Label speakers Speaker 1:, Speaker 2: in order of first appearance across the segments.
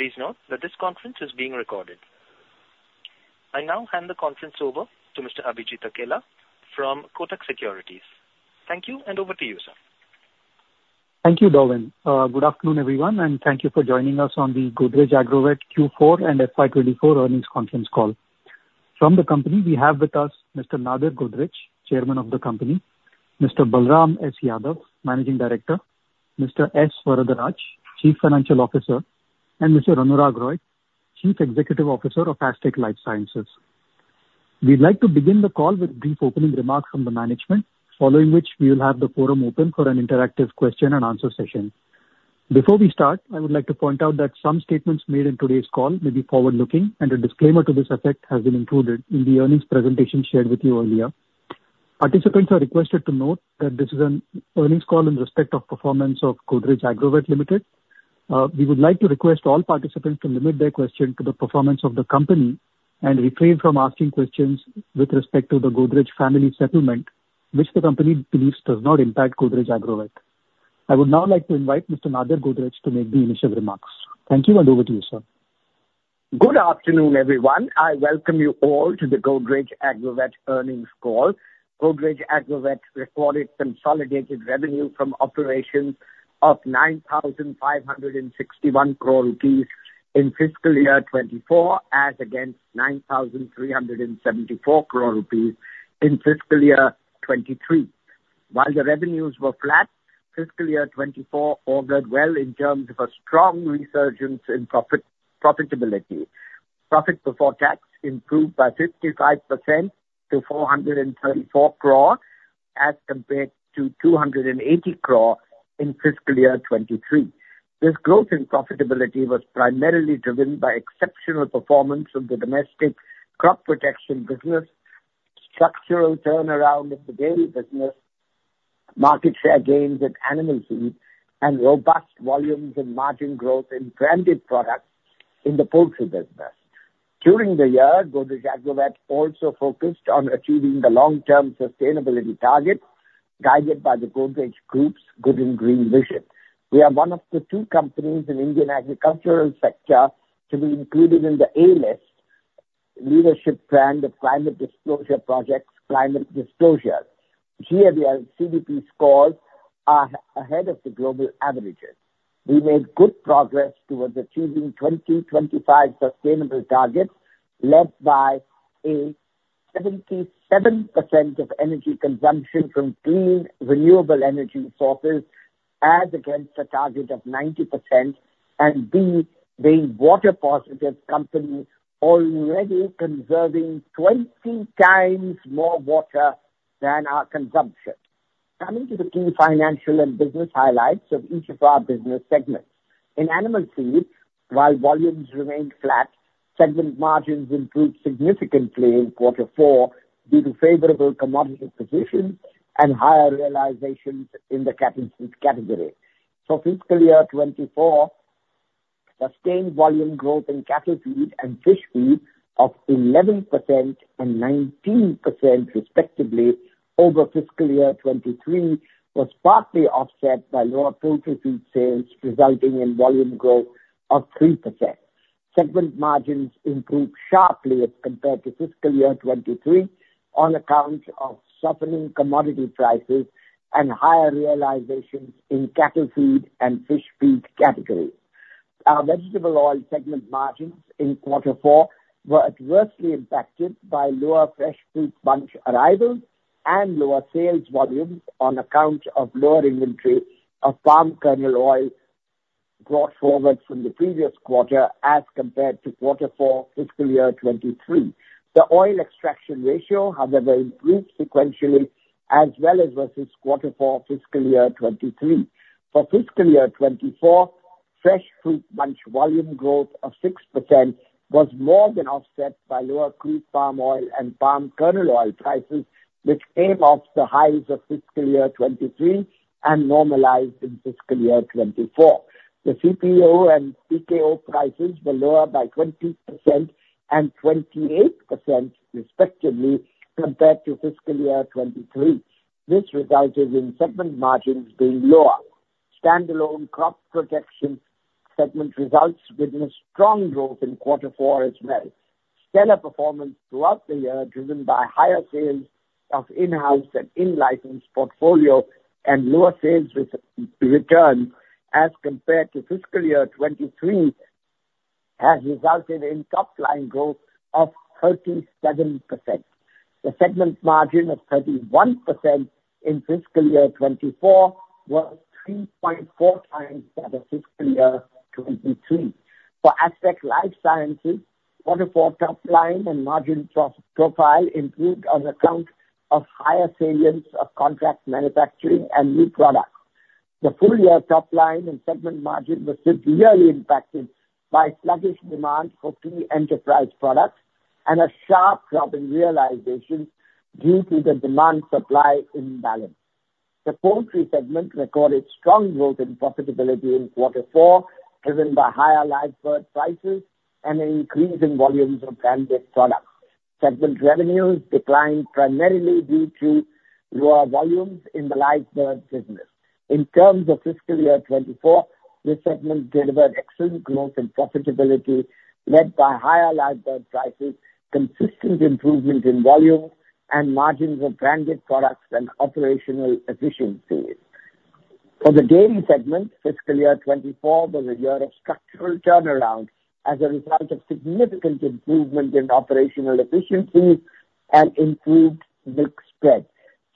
Speaker 1: Please note that this conference is being recorded. I now hand the conference over to Mr. Abhijit Akella from Kotak Securities. Thank you, and over to you, sir.
Speaker 2: Thank you, Darwin. Good afternoon, everyone, and thank you for joining us on the Godrej Agrovet Q4 and FY 2024 earnings conference call. From the company, we have with us Mr. Nadir Godrej, Chairman of the company; Mr. Balram S. Yadav, Managing Director; Mr. S. Varadaraj, Chief Financial Officer; and Mr. Anurag Roy, Chief Executive Officer of Astec LifeSciences. We'd like to begin the call with brief opening remarks from the management, following which we will have the forum open for an interactive question-and-answer session. Before we start, I would like to point out that some statements made in today's call may be forward-looking, and a disclaimer to this effect has been included in the earnings presentation shared with you earlier. Participants are requested to note that this is earnings call in respect of performance of Godrej Agrovet Limited. We would like to request all participants to limit their question to the performance of the company and refrain from asking questions with respect to the Godrej family settlement, which the company believes does not impact Godrej Agrovet. I would now like to invite Mr. Nadir Godrej to make the initial remarks. Thank you, and over to you, sir.
Speaker 3: Good afternoon, everyone. I welcome you all to the Godrej Agrovet earnings call. Godrej Agrovet recorded consolidated revenue from operations of 9,561 crore rupees in fiscal year 2024 as against 9,374 crore rupees in fiscal year 2023. While the revenues were flat, fiscal year 2024 augured well in terms of a strong resurgence in profitability. Profit before tax improved by 55% to 434 crore as compared to 280 crore in fiscal year 2023. This growth in profitability was primarily driven by exceptional performance of the domestic crop protection business, structural turnaround of the dairy business, market share gains in animal feed, and robust volumes in margin growth in branded products in the poultry business. During the year, Godrej Agrovet also focused on achieving the long-term sustainability targets guided by the Godrej Group's Good and Green Vision. We are one of the two companies in the Indian agricultural sector to be included in the CDP A-List. Here, the CDP scores are ahead of the global averages. We made good progress towards achieving 2025 sustainable targets led by A, 77% of energy consumption from clean renewable energy sources as against a target of 90%, and B, being water-positive, company already conserving 20x more water than our consumption. Coming to the key financial and business highlights of each of our business segments. In animal feed, while volumes remained flat, segment margins improved significantly in quarter four due to favorable commodity positions and higher realizations in the cattle feed category. For fiscal year 2024, sustained volume growth in cattle feed and fish feed of 11% and 19% respectively over fiscal year 2023 was partly offset by lower poultry feed sales, resulting in volume growth of 3%. Segment margins improved sharply as compared to fiscal year 2023 on account of softening commodity prices and higher realizations in cattle feed and fish feed categories. Our vegetable oil segment margins in quarter four were adversely impacted by lower fresh fruit bunch arrivals and lower sales volumes on account of lower inventory of palm kernel oil brought forward from the previous quarter as compared to quarter four fiscal year 2023. The oil extraction ratio, however, improved sequentially as well as versus quarter four fiscal year 2023. For fiscal year 2024, fresh fruit bunch volume growth of 6% was more than offset by lower crude palm oil and palm kernel oil prices, which came off the highs of fiscal year 2023 and normalized in fiscal year 2024. The CPO and PKO prices were lower by 20% and 28% respectively compared to fiscal year 2023. This resulted in segment margins being lower. Standalone Crop Protection segment results witnessed strong growth in quarter four as well. Stellar performance throughout the year, driven by higher sales of in-house and in-license portfolio and lower sales returns as compared to fiscal year 2023, has resulted in top-line growth of 37%. The segment margin of 31% in fiscal year 2024 was 3.4x that of fiscal year 2023. For Astec LifeSciences, quarter four top-line and margin profile improved on account of higher salience of contract manufacturing and new products. The full-year top-line and segment margin was severely impacted by sluggish demand for key enterprise products and a sharp drop in realizations due to the demand-supply imbalance. The poultry segment recorded strong growth in profitability in quarter four, driven by higher live bird prices and an increase in volumes of branded products. Segment revenues declined primarily due to lower volumes in the live bird business. In terms of fiscal year 2024, this segment delivered excellent growth in profitability led by higher live bird prices, consistent improvement in volumes, and margins of branded products and operational efficiencies. For the dairy segment, fiscal year 2024 was a year of structural turnaround as a result of significant improvement in operational efficiencies and improved milk spread.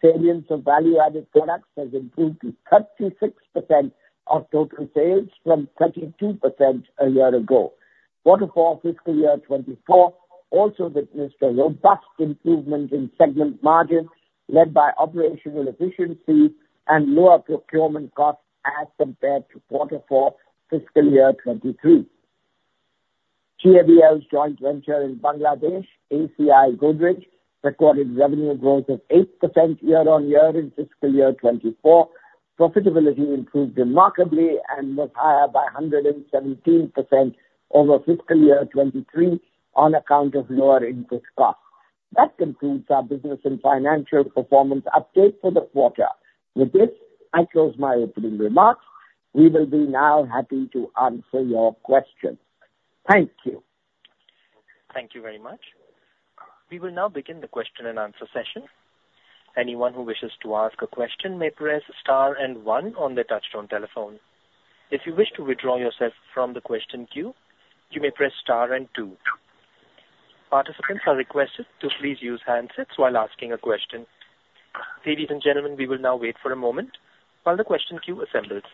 Speaker 3: Salience of value-added products has improved to 36% of total sales from 32% a year ago. Quarter four fiscal year 2024 also witnessed a robust improvement in segment margin led by operational efficiencies and lower procurement costs as compared to quarter four fiscal year 2023. GAVL's joint venture in Bangladesh, ACI Godrej, recorded revenue growth of 8% year-on-year in fiscal year 2024. Profitability improved remarkably and was higher by 117% over fiscal year 2023 on account of lower input costs. That concludes our business and financial performance update for the quarter. With this, I close my opening remarks. We will be now happy to answer your questions. Thank you.
Speaker 1: Thank you very much. We will now begin the question-and-answer session. Anyone who wishes to ask a question may press star and one on the touch-tone telephone. If you wish to withdraw yourself from the question queue, you may press star and two. Participants are requested to please use handsets while asking a question. Ladies and gentlemen, we will now wait for a moment while the question queue assembles.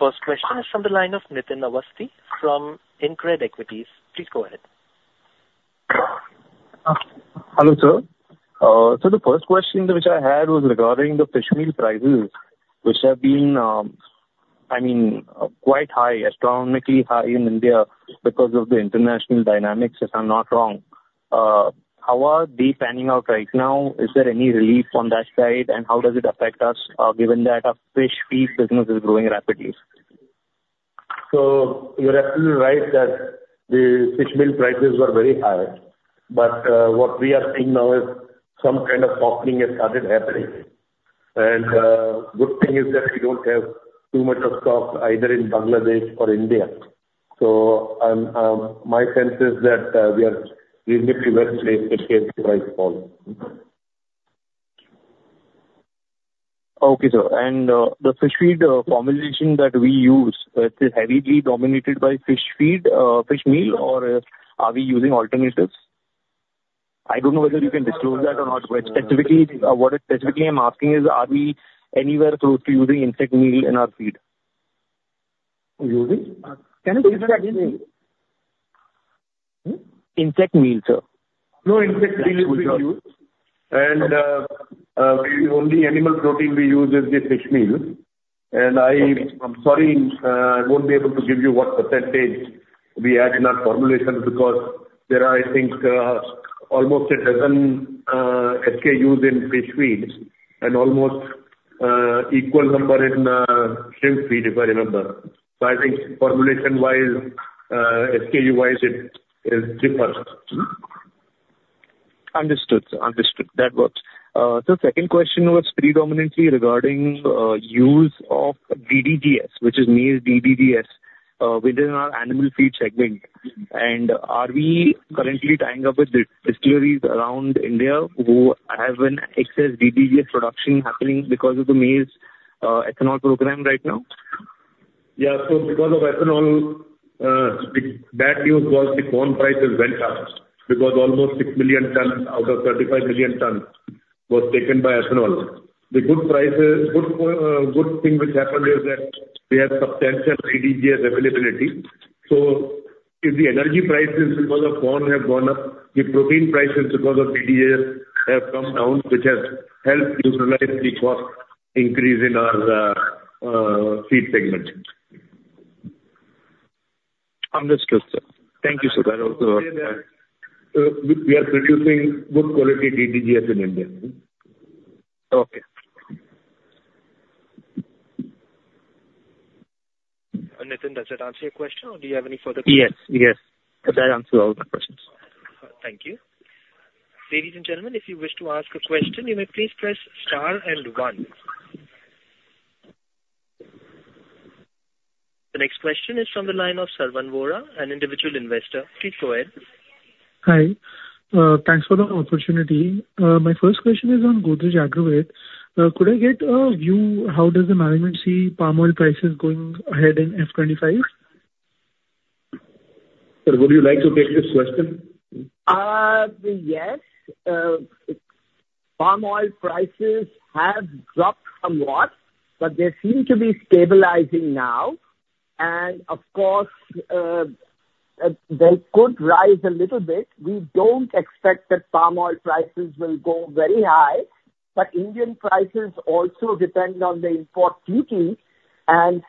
Speaker 1: The first question is from the line of Nitin Awasthi from InCred Equities. Please go ahead.
Speaker 4: Hello, sir. So the first question which I had was regarding the fish meal prices, which have been, I mean, quite high, astronomically high in India because of the international dynamics, if I'm not wrong. How are they panning out right now? Is there any relief on that side, and how does it affect us given that our fish feed business is growing rapidly?
Speaker 5: You're absolutely right that the fish meal prices were very high, but what we are seeing now is some kind of softening has started happening. The good thing is that we don't have too much of stock either in Bangladesh or India. My sense is that we are reasonably well-placed in case the price falls.
Speaker 4: Okay, sir. And the fish feed formulation that we use, is it heavily dominated by fish meal, or are we using alternatives? I don't know whether you can disclose that or not. What specifically I'm asking is, are we anywhere close to using insect meal in our feed?
Speaker 5: Can you say that again?
Speaker 4: Insect meal, sir.
Speaker 5: No, insect meal we don't use. The only animal protein we use is the fish meal. I'm sorry, I won't be able to give you what percentage we add in our formulation because there are, I think, almost a dozen SKUs in fish feed and almost an equal number in shrimp feed, if I remember. I think formulation-wise, SKU-wise, it differs.
Speaker 4: Understood, sir. Understood. That works. So the second question was predominantly regarding the use of DDGS, which is maize DDGS, within our animal feed segment. And are we currently tying up with distilleries around India who have an excess DDGS production happening because of the maize ethanol program right now?
Speaker 5: Yeah. So because of ethanol, bad news was the corn prices went up because almost 6 million tons out of 35 million tons was taken by ethanol. The good thing which happened is that we have substantial DDGS availability. So if the energy prices because of corn have gone up, the protein prices because of DDGS have come down, which has helped neutralize the cost increase in our feed segment.
Speaker 4: Understood, sir. Thank you, sir. That was.
Speaker 5: We are producing good quality DDGS in India.
Speaker 4: Okay.
Speaker 1: Nitin, does that answer your question, or do you have any further questions?
Speaker 4: Yes. Yes. That answers all my questions.
Speaker 1: Thank you. Ladies and gentlemen, if you wish to ask a question, you may please press star and one. The next question is from the line of Sarvan Vora, an individual investor. Please go ahead.
Speaker 6: Hi. Thanks for the opportunity. My first question is on Godrej Agrovet. Could I get a view how does the management see palm oil prices going ahead in FY 2025?
Speaker 5: Sir, would you like to take this question?
Speaker 3: Yes. Palm oil prices have dropped somewhat, but they seem to be stabilizing now. Of course, they could rise a little bit. We don't expect that palm oil prices will go very high, but Indian prices also depend on the import duties.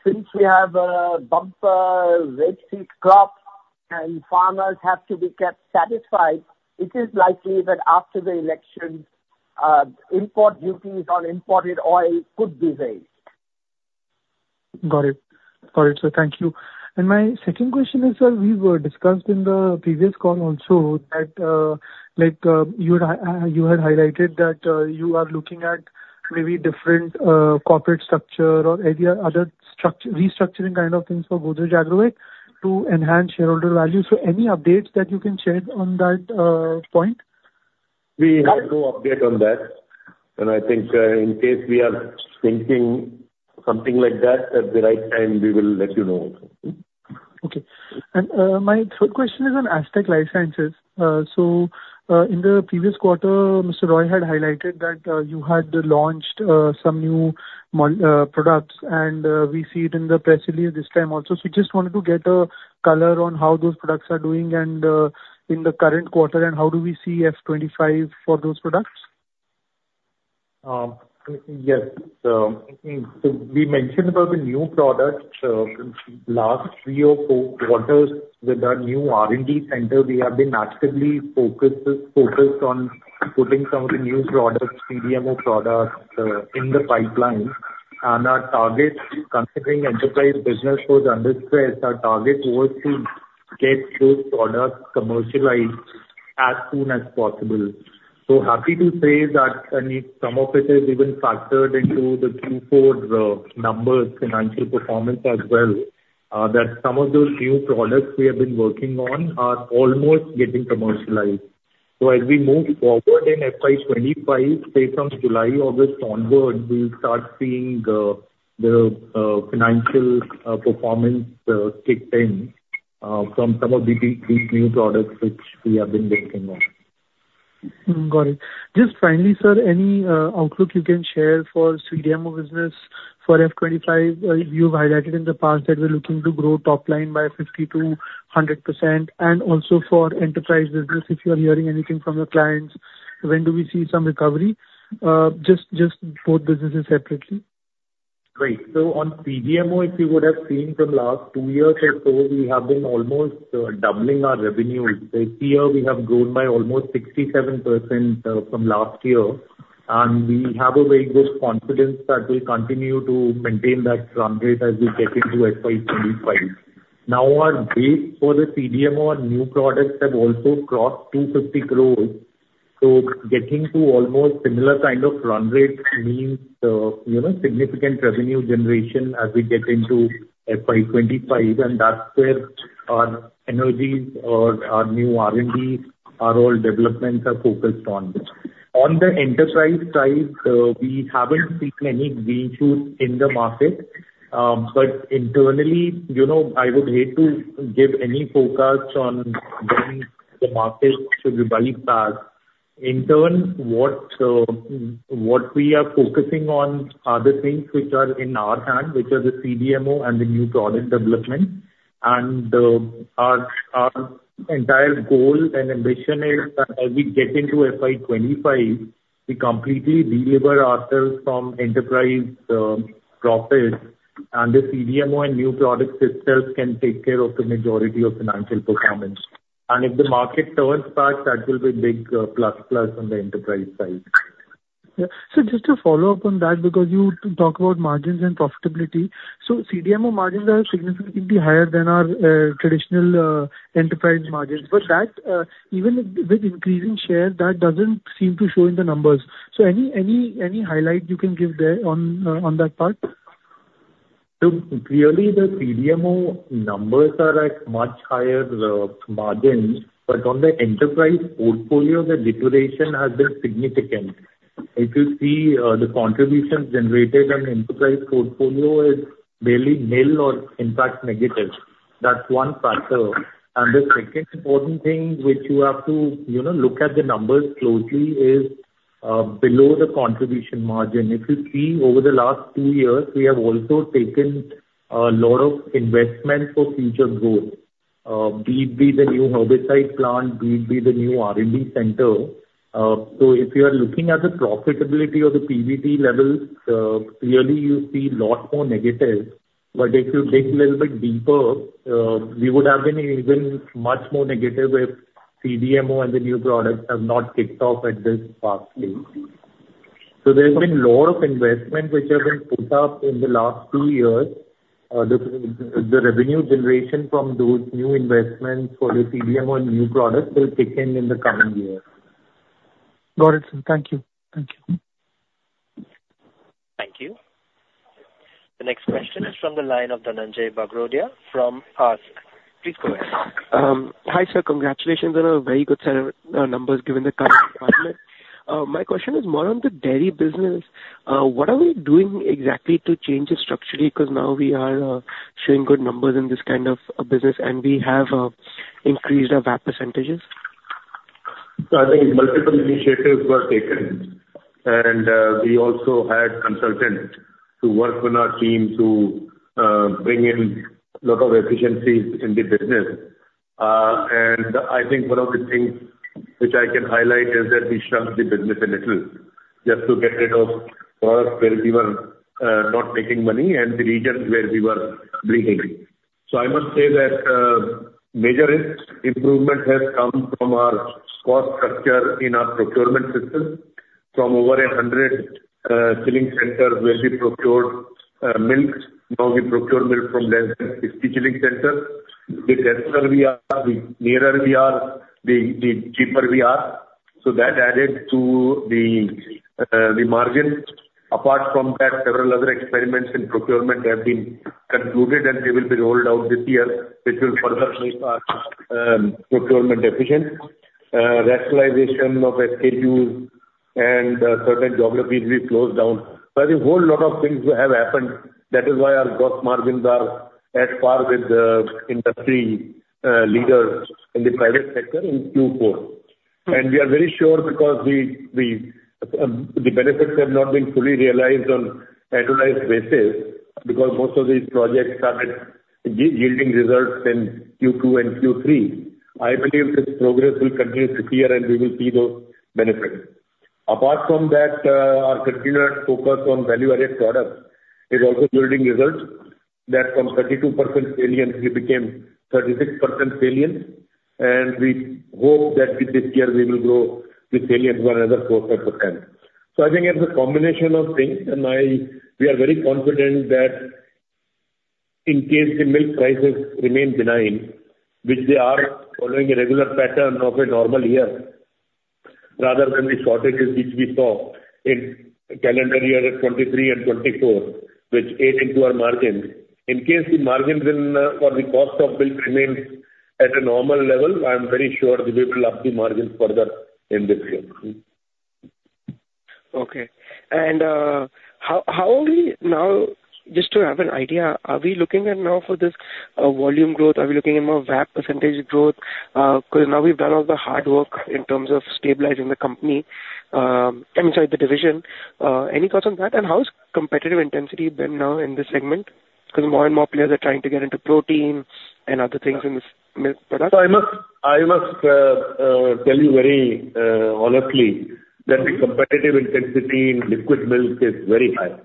Speaker 3: Since we have a bumper Red Gram crop and farmers have to be kept satisfied, it is likely that after the elections, import duties on imported oil could be raised.
Speaker 6: Got it. Got it, sir. Thank you. My second question is, sir, we were discussed in the previous call also that you had highlighted that you are looking at maybe different corporate structure or other restructuring kind of things for Godrej Agrovet to enhance shareholder value. So any updates that you can share on that point?
Speaker 5: We have no update on that. I think in case we are thinking something like that, at the right time, we will let you know also.
Speaker 6: Okay. And my third question is on Astec LifeSciences. So, in the previous quarter, Mr. Roy had highlighted that you had launched some new products, and we see it in the press release this time also. So, we just wanted to get a color on how those products are doing in the current quarter and how do we see FY 2025 for those products.
Speaker 5: Yes. So we mentioned about the new products. Last three or four quarters with our new R&D center, we have been actively focused on putting some of the new products, CDMO products, in the pipeline. Our target, considering enterprise business was under stress, our target was to get those products commercialized as soon as possible. So happy to say that some of it is even factored into the Q4 numbers, financial performance as well, that some of those new products we have been working on are almost getting commercialized. So as we move forward in FY 2025, say from July, August onward, we'll start seeing the financial performance kick in from some of these new products which we have been working on.
Speaker 6: Got it. Just finally, sir, any outlook you can share for CDMO business for FY 2025? You've highlighted in the past that we're looking to grow top-line by 50%-100%. And also for enterprise business, if you're hearing anything from your clients, when do we see some recovery? Just both businesses separately.
Speaker 5: Great. So on CDMO, if you would have seen from last two years or so, we have been almost doubling our revenues. This year, we have grown by almost 67% from last year. And we have a very good confidence that we'll continue to maintain that run rate as we get into FY 2025. Now, our base for the CDMO and new products have also crossed 250 crore. So getting to almost similar kind of run rate means significant revenue generation as we get into FY 2025. And that's where our energies or our new R&D developments are focused on. On the enterprise side, we haven't seen any green shoots in the market. But internally, I would hate to give any forecasts on when the market should revive fast. In turn, what we are focusing on are the things which are in our hand, which are the CDMO and the new product development. Our entire goal and ambition is that as we get into FY 2025, we completely deliver ourselves from enterprise profits. The CDMO and new products itself can take care of the majority of financial performance. If the market turns back, that will be a big plus-plus on the enterprise side.
Speaker 6: Yeah. So just to follow up on that because you talked about margins and profitability. So CDMO margins are significantly higher than our traditional enterprise margins. But even with increasing share, that doesn't seem to show in the numbers. So any highlight you can give there on that part?
Speaker 5: So clearly, the CDMO numbers are at much higher margins. But on the enterprise portfolio, the deterioration has been significant. If you see the contributions generated on the enterprise portfolio, it's barely nil or, in fact, negative. That's one factor. And the second important thing which you have to look at the numbers closely is below the contribution margin. If you see over the last two years, we have also taken a lot of investment for future growth, be it the new herbicide plant, be it the new R&D center. So if you are looking at the profitability or the PBT levels, clearly, you see a lot more negative. But if you dig a little bit deeper, we would have been even much more negative if CDMO and the new products have not kicked off at this fast pace. There's been a lot of investment which has been put up in the last two years. The revenue generation from those new investments for the CDMO and new products will kick in in the coming year.
Speaker 6: Got it, sir. Thank you. Thank you.
Speaker 1: Thank you. The next question is from the line of Dhananjai Bagrodia from ASK. Please go ahead.
Speaker 7: Hi, sir. Congratulations on a very good set of numbers given the current environment. My question is more on the dairy business. What are we doing exactly to change it structurally because now we are showing good numbers in this kind of business, and we have increased our VAP percentages?
Speaker 5: So, I think multiple initiatives were taken. And we also had consultants who worked with our team to bring in a lot of efficiencies in the business. And I think one of the things which I can highlight is that we shrunk the business a little just to get rid of products where we were not making money and the regions where we were bleeding. So, I must say that major improvement has come from our cost structure in our procurement system. From over 100 chilling centers where we procured milk, now we procure milk from less than 50 chilling centers. The closer we are, the nearer we are, the cheaper we are. So that added to the margin. Apart from that, several other experiments in procurement have been concluded, and they will be rolled out this year, which will further make our procurement efficient. Rationalization of SKUs and certain geographies, we closed down. So, I think a whole lot of things have happened. That is why our gross margins are at par with the industry leaders in the private sector in Q4. And we are very sure because the benefits have not been fully realized on annualized basis because most of these projects started yielding results in Q2 and Q3. I believe this progress will continue this year, and we will see those benefits. Apart from that, our continued focus on value-added products is also yielding results that from 32% salience, we became 36% salience. And we hope that this year, we will grow the salience by another 4% or 5%. So, I think it's a combination of things. We are very confident that in case the milk prices remain benign, which they are following a regular pattern of a normal year rather than the shortages which we saw in calendar year 2023 and 2024, which ate into our margins, in case the margins or the cost of milk remains at a normal level, I'm very sure we will up the margins further in this year.
Speaker 7: Okay. And how are we now, just to have an idea, are we looking at now for this volume growth? Are we looking at more VAP percentage growth? Because now we've done all the hard work in terms of stabilizing the company. I mean, sorry, the division. Any thoughts on that? And how's competitive intensity been now in this segment? Because more and more players are trying to get into protein and other things in this milk product.
Speaker 5: I must tell you very honestly that the competitive intensity in liquid milk is very high.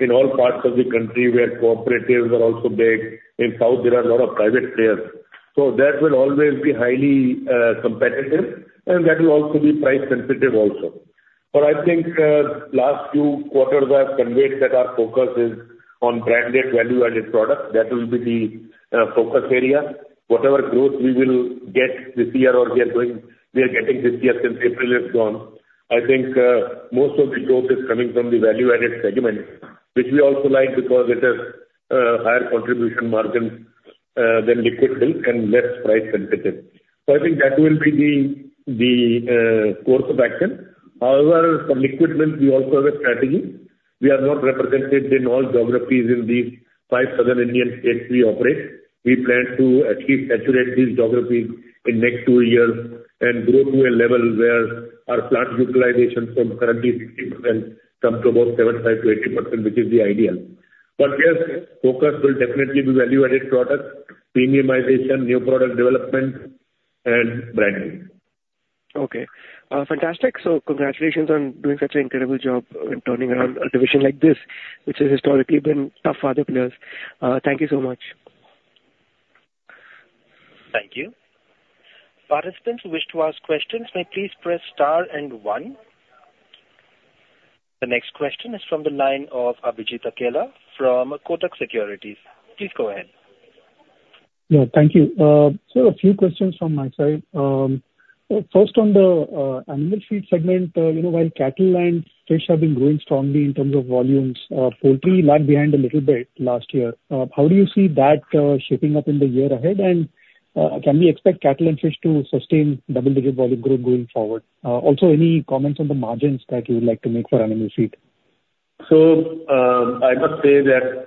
Speaker 5: In all parts of the country, where cooperatives are also big, in south, there are a lot of private players. So that will always be highly competitive, and that will also be price-sensitive also. But I think last few quarters, I have conveyed that our focus is on branded value-added products. That will be the focus area. Whatever growth we will get this year or we are getting this year since April is gone, I think most of the growth is coming from the value-added segment, which we also like because it has higher contribution margins than liquid milk and less price-sensitive. So I think that will be the course of action. However, for liquid milk, we also have a strategy. We are not represented in all geographies in these five southern Indian states we operate. We plan to actually saturate these geographies in next two years and grow to a level where our plant utilization from currently 60% comes to about 75%-80%, which is the ideal. But yes, focus will definitely be value-added products, premiumization, new product development, and branding.
Speaker 7: Okay. Fantastic. So congratulations on doing such an incredible job in turning around a division like this, which has historically been tough for other players. Thank you so much.
Speaker 1: Thank you. Participants who wish to ask questions, may please press star and one. The next question is from the line of Abhijit Akella from Kotak Securities. Please go ahead.
Speaker 2: Yeah. Thank you. Sir, a few questions from my side. First, on the animal feed segment, while cattle and fish have been growing strongly in terms of volumes, poultry lagged behind a little bit last year. How do you see that shaping up in the year ahead? And can we expect cattle and fish to sustain double-digit volume growth going forward? Also, any comments on the margins that you would like to make for animal feed?
Speaker 5: So I must say that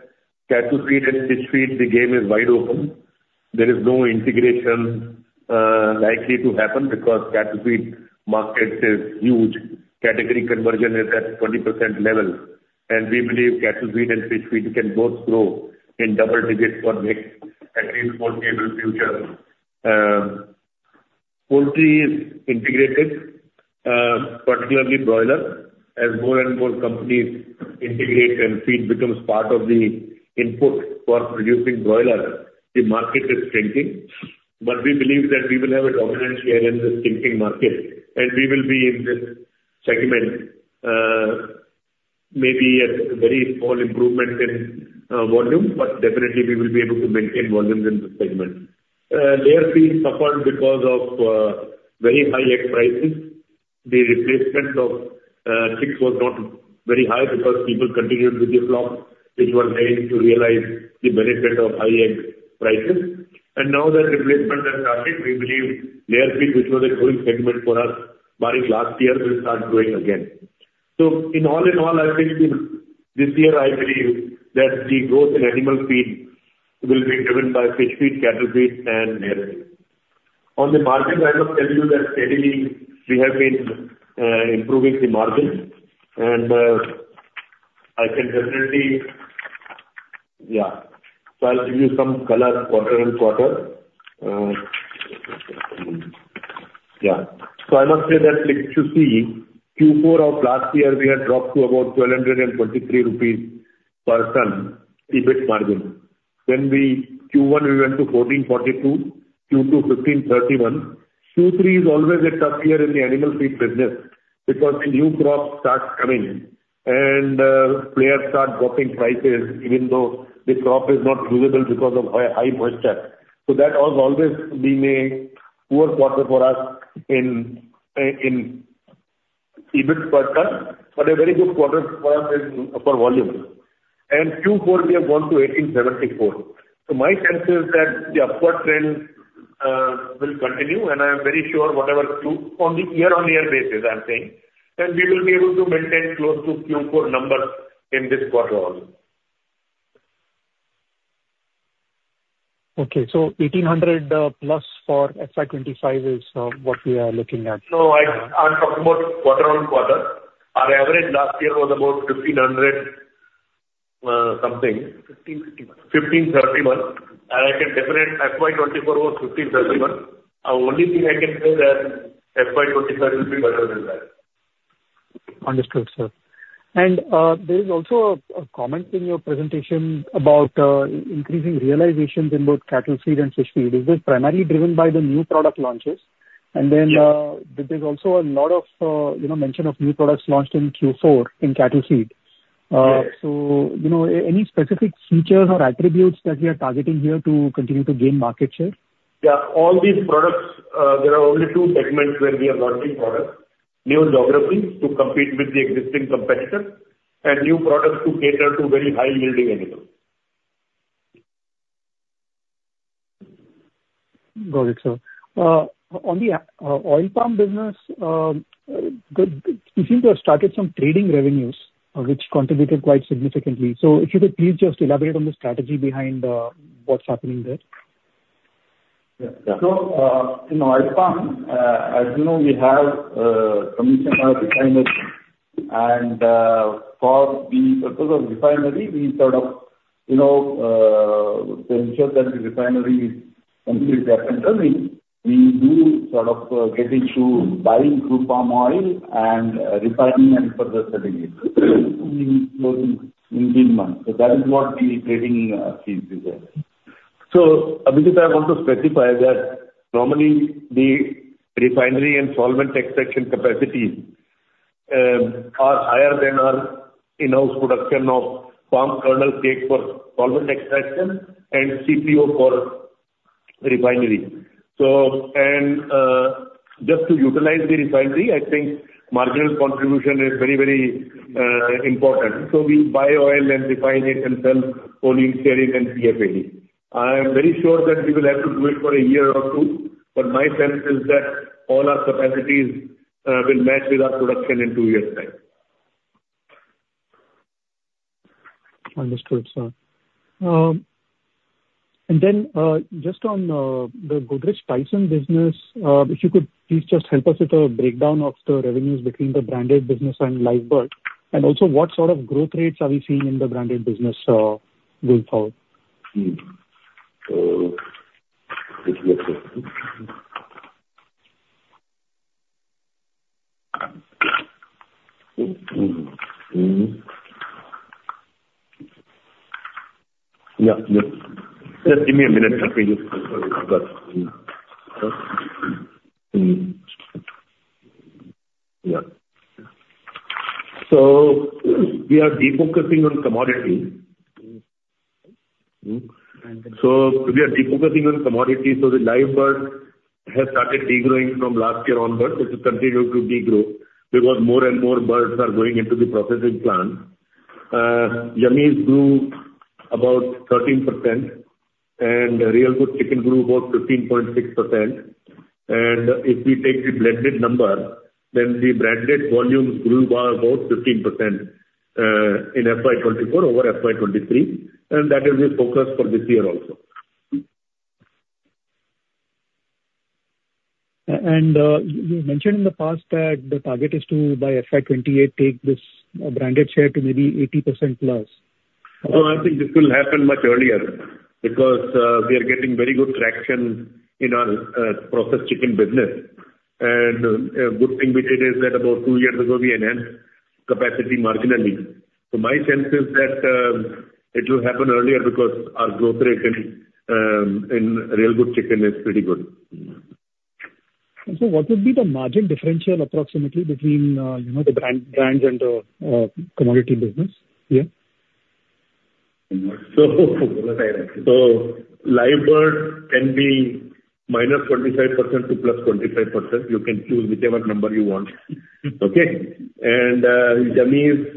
Speaker 5: cattle feed and fish feed, the game is wide open. There is no integration likely to happen because cattle feed market is huge. Category conversion is at 20% level. And we believe cattle feed and fish feed can both grow in double digits for next at least foreseeable future. Poultry is integrated, particularly broiler. As more and more companies integrate and feed becomes part of the input for producing broiler, the market is shrinking. But we believe that we will have a dominant share in the shrinking market, and we will be in this segment maybe at a very small improvement in volume, but definitely, we will be able to maintain volume in this segment. Layer feed suffered because of very high egg prices. The replacement of chicks was not very high because people continued with the flock, which was late to realize the benefit of high egg prices. And now that replacement has started, we believe layer feed, which was a growing segment for us barring last year, will start growing again. So, in all in all, I think this year, I believe that the growth in animal feed will be driven by fish feed, cattle feed, and layer feed. On the market, I must tell you that steadily, we have been improving the margins. And I can definitely yeah. So, I'll give you some color quarter and quarter. Yeah. So, I must say that, like you see, Q4 of last year, we had dropped to about 1,223 rupees per ton EBIT margin. Then Q1, we went to 1,442. Q2, 1,531. Q3 is always a tough year in the animal feed business because new crops start coming, and players start dropping prices even though the crop is not usable because of high moisture. So that has always been a poor quarter for us in EBIT per ton. But a very good quarter for us for volume. And Q4, we have gone to 1,874. So, my sense is that the upward trend will continue. And I am very sure whatever on the year-on-year basis, I'm saying, that we will be able to maintain close to Q4 numbers in this quarter also.
Speaker 2: Okay. So 1,800-plus for FY 2025 is what we are looking at.
Speaker 5: No, I'm talking about quarter-on-quarter. Our average last year was about 1,500-something.
Speaker 8: 1,551.
Speaker 5: 1,531. And I can definitely, FY 2024 was 1,531. The only thing I can say is that FY 2025 will be better than that.
Speaker 2: Understood, sir. There is also a comment in your presentation about increasing realizations in both cattle feed and fish feed. Is this primarily driven by the new product launches? Then there's also a lot of mention of new products launched in Q4 in cattle feed. Any specific features or attributes that we are targeting here to continue to gain market share?
Speaker 5: Yeah. All these products, there are only two segments where we are launching products: new geographies to compete with the existing competitors, and new products to cater to very high-yielding animals.
Speaker 2: Got it, sir. On the oil palm business, you seem to have started some trading revenues, which contributed quite significantly. So if you could please just elaborate on the strategy behind what's happening there.
Speaker 5: Yeah. So in oil palm, as you know, we have commissioned our refinery. And for the purpose of refinery, we sort of to ensure that the refinery completes their terms, we do sort of get into buying crude palm oil and refining and further selling it in 15 months. So that is what the trading fees is there. So Abhijit, I want to specify that normally, the refinery and solvent extraction capacities are higher than our in-house production of palm kernel cake for solvent extraction and CPO for refinery. And just to utilize the refinery, I think marginal contribution is very, very important. So we buy oil and refine it and sell oil in stearin and PFAD. I am very sure that we will have to do it for a year or two. But my sense is that all our capacities will match with our production in two years' time.
Speaker 2: Understood, sir. And then just on the Godrej Tyson business, if you could please just help us with a breakdown of the revenues between the branded business and live bird. And also, what sort of growth rates are we seeing in the branded business going forward?
Speaker 5: Let's see a question. Yeah. Yes. Just give me a minute. I'll tell you. Yeah. So, we are defocusing on commodity. So, we are defocusing on commodity. So, the live bird has started degrowing from last year onwards, which has continued to degrow because more and more birds are going into the processing plant. Yummiez grew about 13%, and Real Good Chicken grew about 15.6%. And if we take the blended number, then the branded volumes grew by about 15% in FY 2024 over FY 2023. And that is the focus for this year also.
Speaker 2: You mentioned in the past that the target is to, by FY 2028, take this branded share to maybe 80%+.
Speaker 5: So I think this will happen much earlier because we are getting very good traction in our processed chicken business. And a good thing we did is that about two years ago, we enhanced capacity marginally. So my sense is that it will happen earlier because our growth rate in Real Good Chicken is pretty good.
Speaker 2: What would be the margin differential approximately between the brands and the commodity business here?
Speaker 5: Live bird can be -25% to +25%. You can choose whichever number you want. Okay? Yummiez's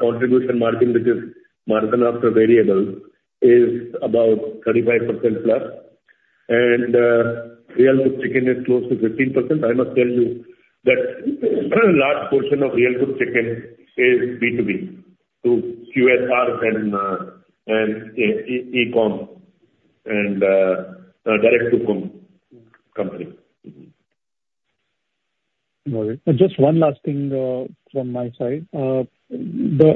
Speaker 5: contribution margin, which is margin after variable, is about 35%+. Real Good Chicken is close to 15%. I must tell you that a large portion of Real Good Chicken is B2B to QSR and e-com and direct-to-company.
Speaker 2: Got it. Just one last thing from my side. The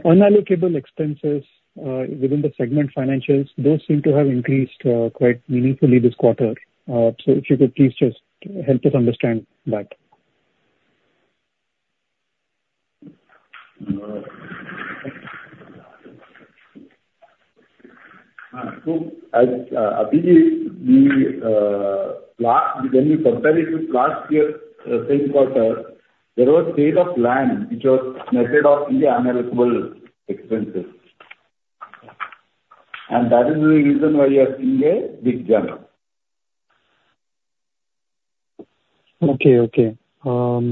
Speaker 2: unallocable expenses within the segment financials, those seem to have increased quite meaningfully this quarter. If you could please just help us understand that.
Speaker 5: Abhijit, when we compared it with last year's same quarter, there was sale of land which was booked in India unallocated expenses. That is the reason why we are seeing a big jump.
Speaker 2: Okay. Okay. So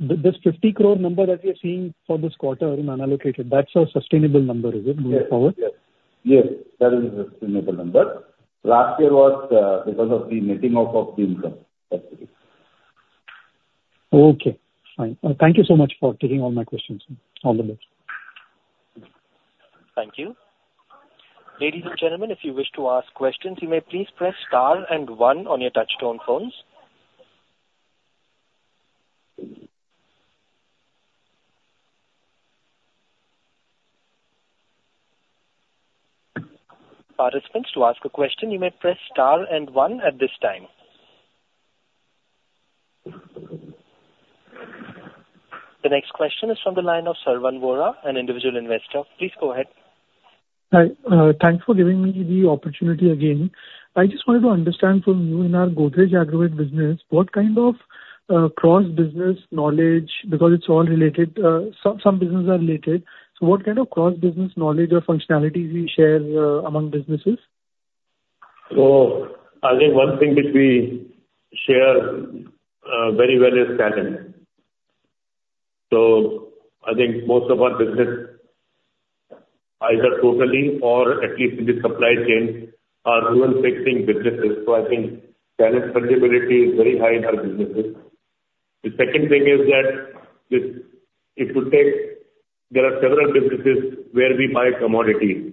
Speaker 2: this 50 crore number that we are seeing for this quarter in unallocated, that's a sustainable number, is it, going forward?
Speaker 5: Yes. Yes. Yes. That is a sustainable number. Last year was because of the netting off of the income.
Speaker 2: Okay. Fine. Thank you so much for taking all my questions. All the best.
Speaker 1: Thank you. Ladies and gentlemen, if you wish to ask questions, you may please press star and one on your touchtone phones. Participants, to ask a question, you may press star and one at this time. The next question is from the line of Sarvan Vora, an individual investor. Please go ahead.
Speaker 6: Hi. Thanks for giving me the opportunity again. I just wanted to understand from you in our Godrej Agrovet business what kind of cross-business knowledge because it's all related. Some businesses are related. So what kind of cross-business knowledge or functionalities do you share among businesses?
Speaker 5: So I think one thing which we share very well is talent. So I think most of our business, either totally or at least in the supply chain, are human-fixing businesses. So I think talent flexibility is very high in our businesses. The second thing is that if you take, there are several businesses where we buy commodities.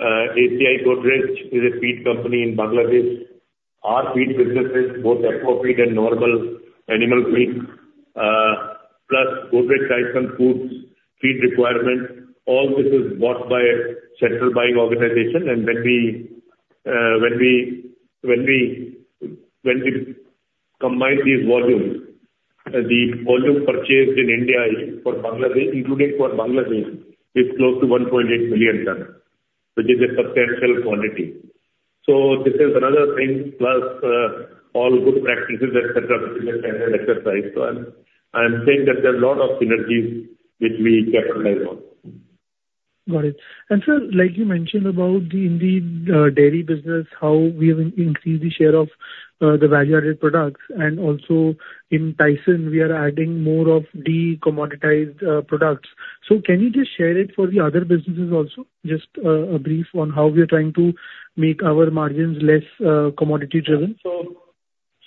Speaker 5: ACI Godrej is a feed company in Bangladesh. Our feed businesses, both aqua feed and normal animal feed, plus Godrej Tyson Foods feed requirements, all this is bought by a central buying organization. And when we combine these volumes, the volume purchased in India for Bangladesh, including for Bangladesh, is close to 1.8 million tons, which is a substantial quantity. So this is another thing, plus all good practices, etc., which is a standard exercise. So I'm saying that there are a lot of synergies which we capitalize on.
Speaker 6: Got it. Sir, like you mentioned about the dairy business, how we have increased the share of the value-added products. Also in Tyson, we are adding more of decommoditized products. Can you just share it for the other businesses also, just a brief on how we are trying to make our margins less commodity-driven?
Speaker 5: So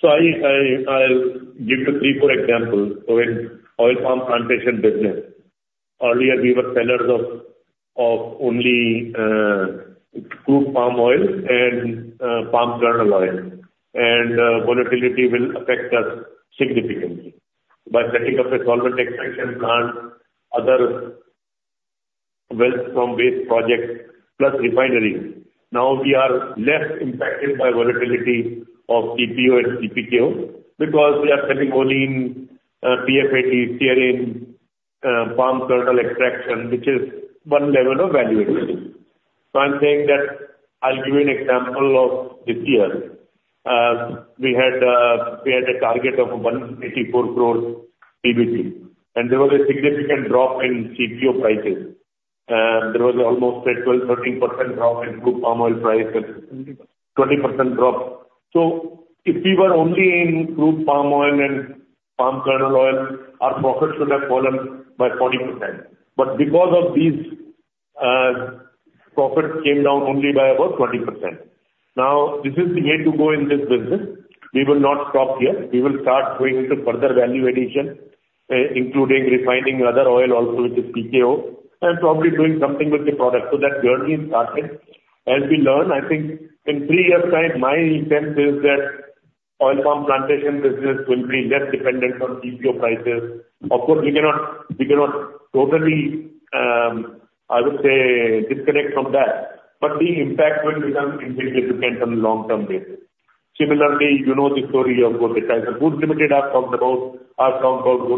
Speaker 5: I'll give you 3, 4 examples. So in oil palm plantation business, earlier, we were sellers of only crude palm oil and palm kernel oil. And volatility will affect us significantly. By setting up a solvent extraction plant, other wealth from waste projects, plus refinery, now we are less impacted by volatility of CPO and PKO because we are selling only in PFAD, stearin, palm kernel extraction, which is one level of valuation. So I'm saying that I'll give you an example of this year. We had a target of 184 crore EBIT. And there was a significant drop in CPO prices. There was almost a 12%-13% drop in crude palm oil price and 20% drop. So if we were only in crude palm oil and palm kernel oil, our profits should have fallen by 40%. But because of these profits came down only by about 20%. Now, this is the way to go in this business. We will not stop here. We will start going into further value addition, including refining other oil also, which is PKO, and probably doing something with the product. So that journey started. As we learn, I think in three years' time, my sense is that oil palm plantation business will be less dependent on CPO prices. Of course, we cannot totally, I would say, disconnect from that. But the impact will become insignificant on the long-term basis. Similarly, you know the story of Godrej Tyson Foods Limited I've talked about. I've talked about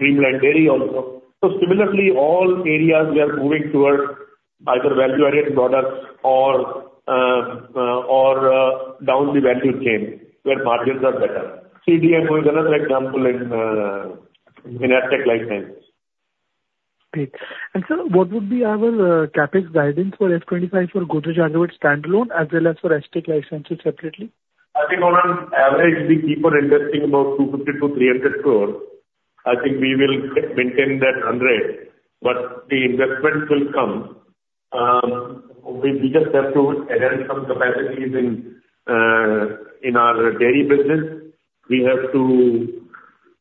Speaker 5: Creamline Dairy Products Limited also. So similarly, all areas, we are moving towards either value-added products or down the value chain where margins are better. CDMO was another example in Astec LifeSciences.
Speaker 6: Great. And sir, what would be our CapEx guidance for FY 2025 for Godrej Agrovet standalone as well as for Astec LifeSciences separately?
Speaker 5: I think on average, we keep on investing about 250 crore-300 crore. I think we will maintain that 100. But the investment will come. We just have to enhance some capacities in our dairy business. We have to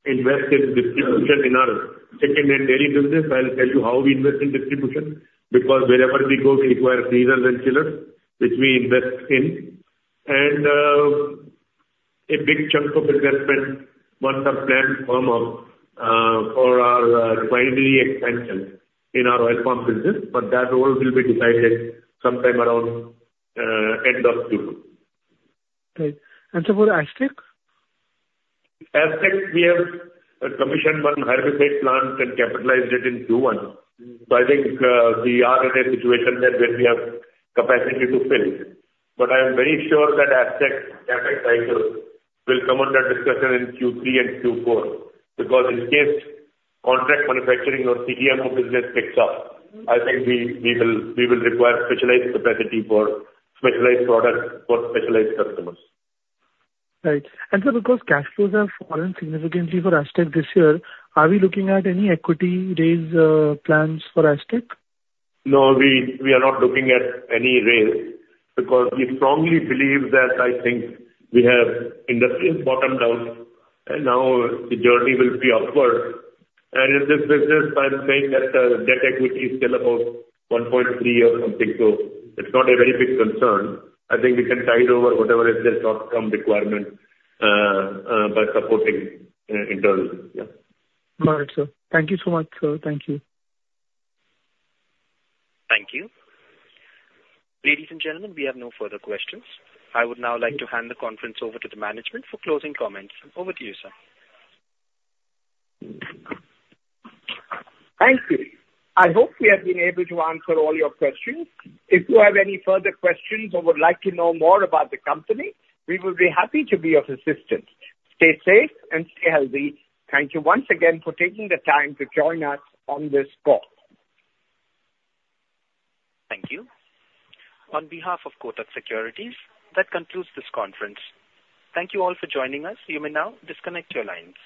Speaker 5: invest in distribution in our standalone dairy business. I'll tell you how we invest in distribution because wherever we go, we acquire freezers and chillers, which we invest in. And a big chunk of investment goes to our plant to firm up for our refinery expansion in our oil palm business. But that all will be decided sometime around end of Q2.
Speaker 6: Great. And so for Astec?
Speaker 5: Astec, we have commissioned one herbicide plant and capitalized it in Q1. So, I think we are in a situation there where we have capacity to fill. But I am very sure that Astec CapEx cycle will come under discussion in Q3 and Q4 because in case contract manufacturing or CDMO business picks up, I think we will require specialized capacity for specialized products for specialized customers.
Speaker 6: Right. And sir, because cash flows have fallen significantly for Astec this year, are we looking at any equity raise plans for Astec?
Speaker 5: No, we are not looking at any raise because we strongly believe that I think we have industries bottomed out. And now, the journey will be upward. And in this business, I'm saying that debt equity is still about 1.3 or something. So it's not a very big concern. I think we can tide over whatever is their short-term requirement by supporting internally. Yeah.
Speaker 6: Got it, sir. Thank you so much, sir. Thank you.
Speaker 1: Thank you. Ladies and gentlemen, we have no further questions. I would now like to hand the conference over to the management for closing comments. Over to you, sir.
Speaker 8: Thank you. I hope we have been able to answer all your questions. If you have any further questions or would like to know more about the company, we will be happy to be of assistance. Stay safe and stay healthy. Thank you once again for taking the time to join us on this call.
Speaker 1: Thank you. On behalf of Kotak Securities, that concludes this conference. Thank you all for joining us. You may now disconnect your lines.